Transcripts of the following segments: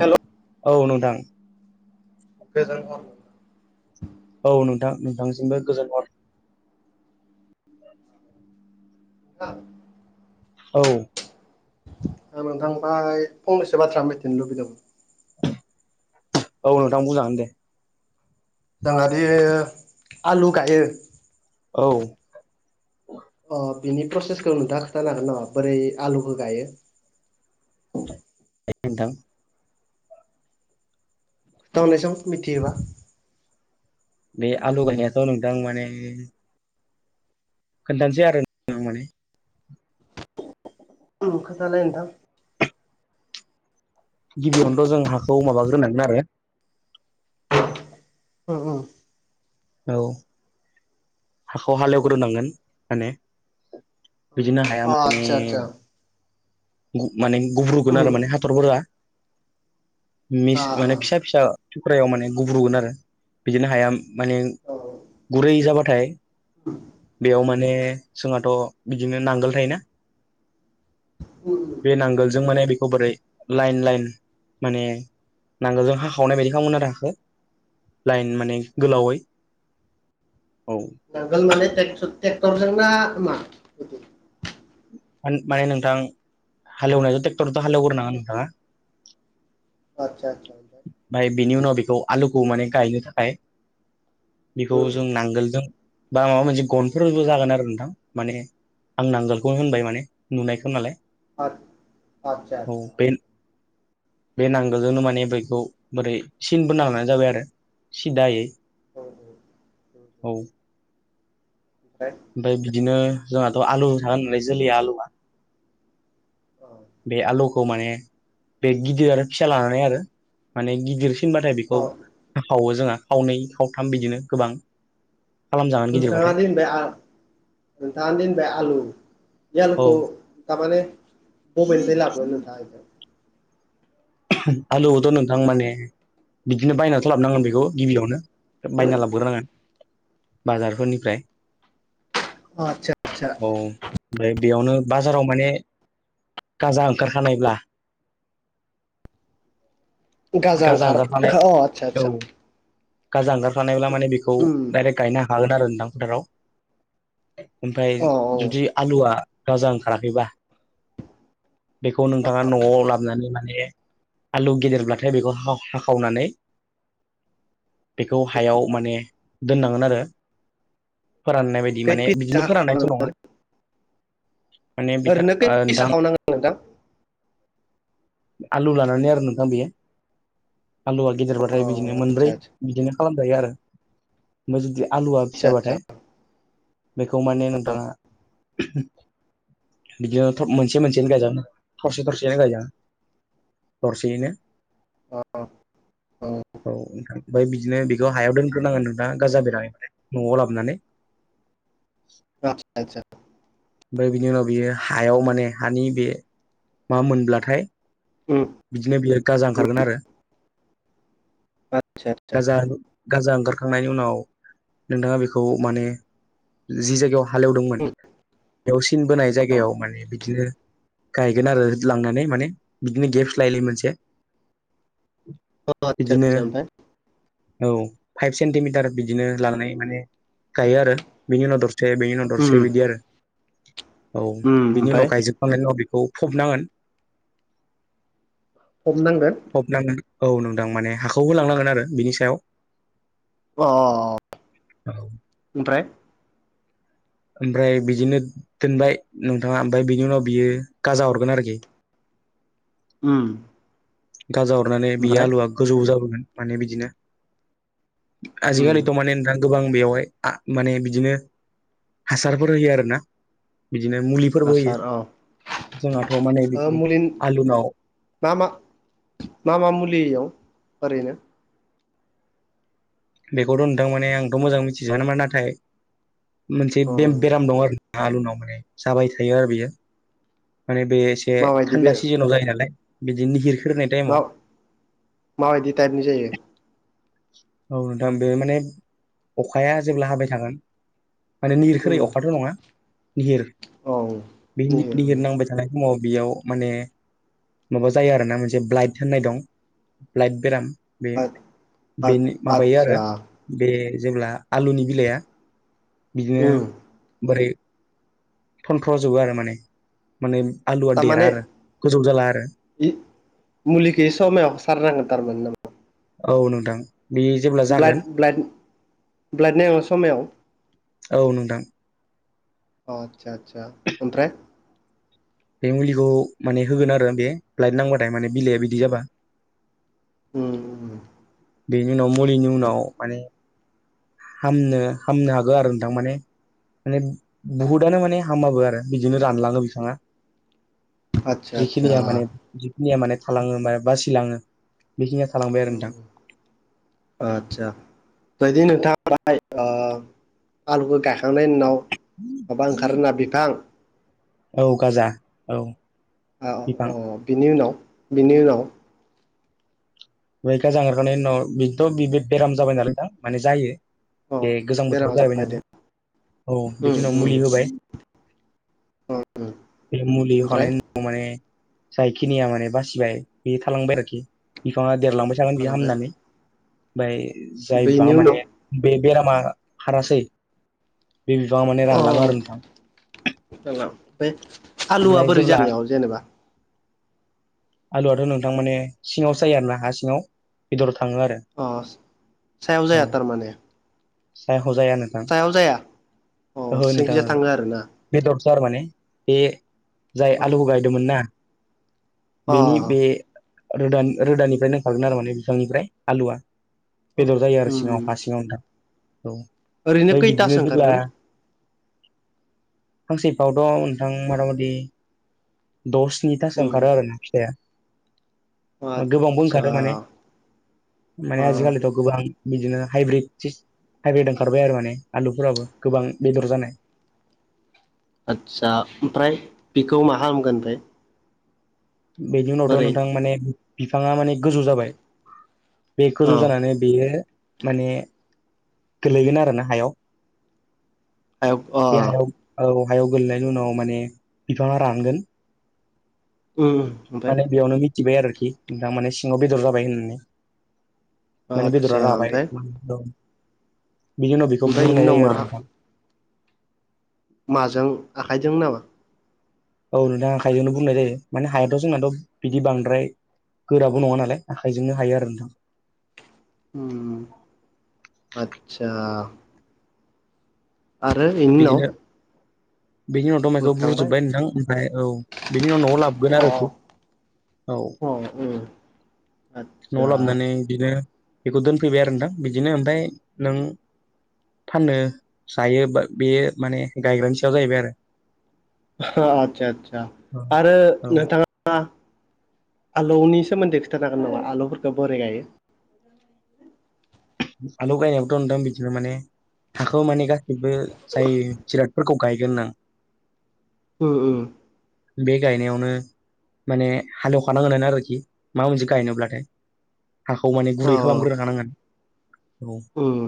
Hello औ नोंथां। गोजोन हर। औ नोंथां नोंथांसिमबो गोजोन हर। औ औ नोंथांफ्राय फंनैसो बाथ्रा मिथिनो लुबैदोंमोन। औ नोंथां बुंजागोन दे। जोंहादि आलु गायो। औ अ बिनि प्रसेसखौ नोंथा खिथानो हागोन नामा बोरै आलुखौ गायो। हायो नोंथां। खोथा हरनायसं मिथियोब्ला। बे आलु गायनायाथ' नोंथां माने खोन्थानोसै आरो नोंथां माने औ खोथालाय नोंथां। गिबियावनोथ' जों हाखौ माबाग्रोनांगोन आरो ओ ओ औ हाखौ हालेवग्रोनांगोन माने बिदिनो हाया अ माने आतसा आतसा माने गुब्रुगोन उम आरो माने हाथरफोरा मिस आ माने फिसा फिसा सुख्रायाव माने गुब्रुगोन आरो बिदिनो हाया माने औ गुरै जाबाथाय [inaudible] बेयाव माने जोंहाथ' बिदिनो नांगोल थायोना बुंनो बे नांगोलजों माने बेखौ बोरै लाइन लाइन माने नांगोलजों हाखावनाय बायदि खालाम गोन आरो हाखो लाइन माने गोलावै औ नांगोल माने टेक ट्रेक्टरजोंना मा। मान माने नोंथां हालेवनायजों ट्रेक्टरथ' हालेवग्रो नाङा नोंथाङा। आथसा आथसा। ओमफाय बिनि उनाव बेखौ आलुखौ माने गायनो थाखाय बेखौ उम जों नांगोलजों बा माबा मोनसे गनफोरबो जागोन आरो नोंथां माने आं नांगोलखौनो होनबाय माने नुनायखौ नालाय आतसा औ बे बे नांगोलजोंनो माने बेखौ बोरै सिन बोनो हानाय जाबाय आरो सिदायै औ औ औ औ। [inaudible] ओमफाय बिदिनो जोंहाथ' आलु थाहोनोलै जोलैया आलुआ। औ। बे आलुखौ माने बे गिदिर आरो फिसा लानानै आरो माने गिदिर। सिनबाथाय अ बेखौ अ हाखावो जोंहा खावनै खावथाम बिदिनो गोबां। खालामजागोन नोंथाङा गिदिरबाथाय दि होनबाय आ दान्दन बे आलु बे औ आलुखौ माबानो बबेनिफ्राय लाबो नोंथांङा बेखो? आलुखौथ' नोंथां माने बिदिनो बायनाथ' लाबनांगोन उम बेखौ। गिबियावनो बायना लाबग्रोनांगोन बाजारफोरनिफ्राय। अ आतसा आतसा। औ ओमफ्राय बेयावनो बाजाराव माने गाजा ओंखारखानायब्ला। गाजा ओंखार ओंखारखानाय अ आदसा औ। आदसा गाजा ओंखारखानायब्ला माने बेखौ उम डाइरेक्ट गायनो हाखागोन आरो नोंथां फोथाराव। ओमफाय अ औ जुदि आलुआ गाजा ओंखाराखैबा। बेखौ नोंथाङा न'आव लाबनानै माने आलु [unintelligible] [unintelligible] गेदेद। बेखौ हायाव माने दोननांगोन आरो फोराननाय बायदि माने बिदिनो फोराननायथ' नङा माने बिथा ओरैनो खै ओ फिस नोंथां हाखावनांगोन नोंथां? आलु लानानै आरो नोंथां बेयो। आलुवा अ गेदेरबाथाय बिदिनो मोनब्रै आदसा बिदिनो खालामजायो आरो। ओमफाय जुदि आलुआ आदसा आदसा फिसाबाथाय बेखौ माने नोंथाङा। बिदिनो मोनसे मोनसेनो गायजागोन थरसे थरसेनो गायजागोन। दरसेयैनो। अ अ औ। औ ओमफ्राय बिदिनो बेखौ हायाव दोनग्रोनांगोन नोंथां गाजा बेरनानै न'आव लाबनानै। आतसा आतसा ओमफाय बिनि उनाव बियो हायाव माने हानि बे मा मोनब्लाथाय। उम बिदिनो बियो गाजा ओंखारगोन आरो आदसा आदसा गाजा। गाजा ओंखारखांनायनि उनाव नोंथाङा बेखौ माने। जि जायगायाव हालेवदोंमोन उम बेयाव सिन बोनाय जायगायाव माने बिदिनो। गायगोन आरो लांनानै माने बिदिनो गेप्स लायै लायै मोनसे। अ आतसा बिदिनो आतसा ओमफाय। औ फाइभ सेन्टिमिटार बिदिनो लांनाय माने गायो आरो बिनि उनाव दर से बेनि उनाव उम दरसे बिदि आरो औ उम बिनि ओमफ्राय उनाव गायजोबखांनायनि उनाव बेखौ फबनांगोन। फबनांगोन। फबनांगोन औ नोंथां माने हाखौबो लांनांगोन आरो बिनि सायाव। अ अ अ ओमफ्राय। ओमफ्राय बिदिनो दोनबाय नोंथाङा ओमफ्राय बिनि उनाव बियो गाजा अरगोन आरोखि। उम। गाजा अरनानै बे ओमफ्राय आलुआ गोजौ जाबोगोन माने बिदिनो। उम आजिखालिथ' माने नोंथां। गोबां बेयावहाय मान बिदिनो हासारफोर होयो आरोना बिदिनो मु फोरबोयो आसार अ जोंहाथ' माने ओ बिदिनो मुलि आलुनाव मा मा मा मा मुलियाव ओरैनो बेखौथ' नोंथां माने आंथ' मोजां मिथिज नामा नाथाय मोनसे औ बे- बेराम दं आरो आलुनाव माने जाबाय थायो आरो बेयो माने बेसे एसे माबायदि बे थान्दा सिजोननाव जायो नालाय बिदिनो निहिर खोरिनाय मा माबायदि टाइपनि जायो? औ नोंथां बे माने अखाया जेब्ला हाबाय थागोन माने उम निरखोरै अखाथ' नङा निहिर औ बे निहिर नांबाय थानाय समाव बेयाव माने माबा जायो आरो ना मोनसे ब्लाइट होननाय दं ब्लाइट बेराम बे बेनि माबायो आदसा आरो बे जेब्ला आलुनि बिलाइया बिदिनो उम बोरै थनथ्र' जोबो आरो माने माने आलुआ थारमाने देरा आरो गोजौ जाला आरो। मुलिखौ समायाव सारनांगोन थारमोन नामा? औ नोंथां बि ब्लाइड ब्लाइड ब्लाइड नाय समायाव औ नोंथां। अ आतसा आतसा ओमफ्राय बे मुलिखौ माने होगोन आरो बे ब्लाइट नांबाथाय माने बिलाइया बिदि जाबा [inaudible] बेनि उनाव मुलिनि उनाव माने हामनो हामनो हागौ आरो नोंथां माने माने बुहुदआनो माने हामाबो आरो बिदिनो रानलाङो बिथफाङा। आदसा आदसा जिखिनिया माने जिखिनिया माने थालाङो बासिलाङो बेखिनिया थाल आतसा बिदि नोंथाङ आलुखौ गायखांनायनि उनाव माबा ओंखारोनोना बिफां औ गाजा औ। बिफां औ बिनि उनाव बिनि उनाव बेैख जागारखनायनि उनाव बिथ' बे बेराम जाबाय नालाय नोंथां माने जायो। अ बे गोजां बेरामा बोथोराव जाहैबाय जाबाय दे नालाय औ उम बिदि उनाव उम मुलि होबाय उम उम बे मुलि होखा ओमफ्राय माने जायखिनिया माने बासिबाय बे थालांबाय आरोखि बिफाङा देरलांबाय थागोन जालांबाय बिहाामनानै ओमफ्राय जायबां बेनि उनाव माने बे बेरामा हारासै बे बिफाङा माने रानलाङो आरो नोंथां। बे आलुआ ओमफ्राय बोरै जेब्ला जानायाव जेनेबा आलुआथ' नोंथां माने सिङाव जायो आरो ना हा सिङाव बेदराव थाङो आरो। अ सायाव जाया थारमाने। साय हजाया नोथां। दाव जाया अ ओहो नोंथां सिंखिजा थाङो आरोना बेदरसो आरो माने बे जाय अ आलुखौ गायदोंमोन ना बेनि बे अ रो रोदानिफ्राय दोंखागोन आरोमाने बिांनिफ्राय आलुआ। बेदर जायो आरो उम सिङाव हा सिङावनो नोंथां औ ओरैनो ओमफ्राय खैथासो बिदिनो जेब्ला ओंखारगोन फांसेै फावथ' नोंथां मथा मथि दसनिथासो उम ओंखारो आरो ना फिथाया। गोबांबो आदसा ओंखारो माने माने अ आजिखालिथ' गोबां बिदिनो हाइब्रिद हाइब्रिद ओंखारबाय आरो माने आलुफोराबो गोबां बेदर जानाय। आदसा ओमफ्राय बेखौ मा खालामगोन ओमफ्राय बेनि उनावथ' बोरै नोंथां माने बिफाङा माने गोजौ जाबाय बे गोजौ अ जानानै बेयो माने गोलैगोन आरो ना हायाव हायाव अ बे हायाव औ हायाव गोलैनायनि उनाव माने बिफाङा रानगोन। उम। ओमफ्राय माने बेयावनो मिथिबाय आरोखि नोंथां माने सिङाव बेदर जाबाय होननानै। माने बेदरा आदसा राबाय ओमफ्राय उम औ बिनि उनाव बेखौ ओमफ्राय बेनि बुरनाय उनाव जायो मा आरो नोंथां। माजों आखाइजों नामा? औ नोंथां आखाइजोंनो बुरनाय जायो माने हायाथ' जोंनाथ' बिदि बांद्राय गोराबो नङा नालाय आखाइजोंनो हायो आरो नोंथां। उम आतसा। आरो बिनि उनाव बेनि उनावथ' माइखौ बोखांबाय बुरजोब्बाय नोंथां ओमफ्राय औ बेनि उनाव लाबोगोन अ आरोखि अ औ न'आव आदसा लाबोनानै बिदिनो बेखौ दोनफैबाय आरो नोंथां बिदिनो ओमफ्राय नों फाननो जायो बा बेयो माने गायग्रानि सायाव जायैबाय आरो अहा आदसा आदसा आरो औ नोंथाङा आलौनि सोमोन्दै खिथानो हागोन नामा आलौफोरखौ बोरै गायो? आलौ गायनायाबोथ' नोंथां बिदिनो माने हाखौ माने गासैबो जाय जिरादफोरखौ गायगोन ना ओ ओ बे गायनायावनो माने हालेवखानांगोनानो आरोखि माबा मोनसे गायनोब्लाथाय हाखौ माने अ गुरै खालामग्रोखानांगोन‌ [unintelligible] उम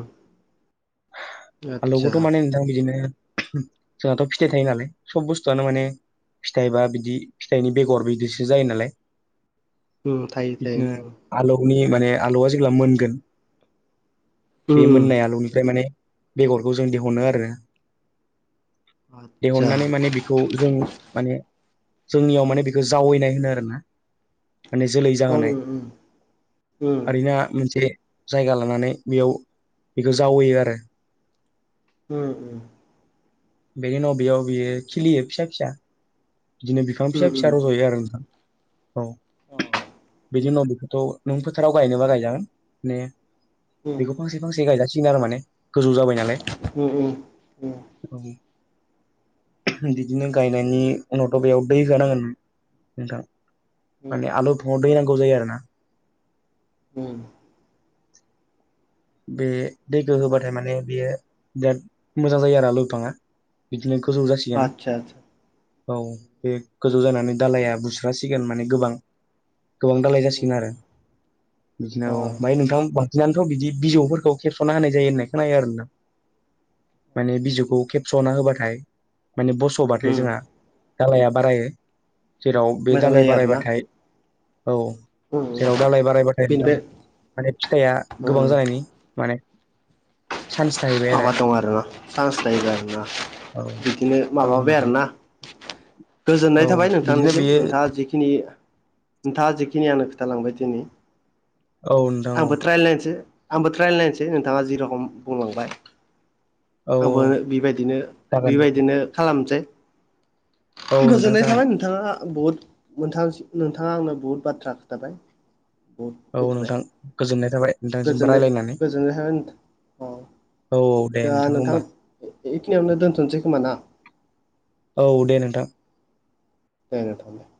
आदसा आलौखौथ' माने दा बिदिनो जोंहाथ' फिथाइ थायो नालाय सब बुस्थुआनो माने फिथाइ बा बिदि फिथाइनि बेगर बिदिसो जायो नालाय उम थायो थायो बिदिनो उम आलौनि माने आलौआ जेब्ला मोनगोन बे उम मोननाय आलौनिफ्राय माने बेगरखौ जों दिहुनो आरो आदसा दिहुननानै माने बि खौ जों माने जोंनियाव माने बेखौ जावैनाय होनो आरोना माने जोलै उम जाहोनाय उम ओरैनो मोनसे जायगा लानानै बेयाव बेखौ जावैयो आरो उम बेनि उनाव बेयाव बियो खिलियो फिसा फिसा बिदिनो बिफां उम फिसा फिसा रज'यो आरो नोंथां औ [unintelligible] बिनि उनाव बेखौथ' नों फोथाराव गायनोबा गायजागोन माने बेखौ उम फांसे फांसे गायजासिगोन आरो माने गोजौ जाबाय नालाय [unintelligible] उम उम औ बिदिनो गायनायनि उनावथ' बेयाव दै होनांगोन नोंथां उम माने आलौ फिफाङाव उम दै नांगौ जायो आरोना उम बे दैखौ होबाथाय माने बियो बिराद मोजां जायो आरो आलौ बिफाङा बिदिनो गोजौ जासिगोन आतसा आतसा औ उम बे गोजौ जानानै दालाया बुस्रासिगोन माने गोबां गोबां दालाय जासिगोन उम आरो बिदिनो अ औ ओमफ्राय नोंथां बांसिनानोथ' बिदि बिजौफोरखौ खेबस'ना होनाय जायो होननाय खोनायो आरोना माने आतसा आतसा बिजौखौ खेब सना होबाथाय माने बस'बाथाय जोंहा मोजां दालाइया बारायो जेराव बे दालाइ जायो आरोना बारायबाथाय औ जेराव दालाइ बारायबाथाय नोंथां बेनिफ्राय माने फिथाइया गोबां जानायनि माने चान्स थाहैबाय माबा दं आरो ना सान्स लायो आरोना आरो बिदिनो औ माबाबाय नोंथां आरोना औ गोजोननाय थाबाय बिदिनो नोंथांनिसिम बेयो नोंथाङा जिखिनि नोंथाङा जिखिनि आंनो खोथालांबाय दिनै औ नोंथां औ आंबो ट्रायल नायनसै आंबो ट्रायल नायनसै नोंथाङा जिरखम बुंलांबाय औ आंबो बिबायदिनो जागोन बिबायदिनो खालामसै औ नोंथां गोजोननाय जागोन थाबाय नोंथाङा बहुद नोंथां नोंथाङा आंनो बुहुत बाथ्रा खोथाबाय बहुद औ मिथिबाय नोंथां गोजोननाय थाबाय नोंथांसिमबो रायलायनानै [unintelligible] औ औ औ दे दा नोंथां होमबा बेखिनियावनो दोनथ'नसै खोमा ना औ दे नोंथां [unintelligible]